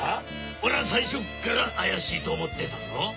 俺は最初っから怪しいと思ってたぞ。